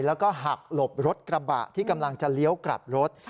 แล้วก็หักหลบรถกระบะที่กำลังจะเลี้ยวกลับรถ